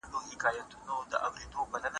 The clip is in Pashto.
د ترنک روده باید د شاعر په درد پوه شي.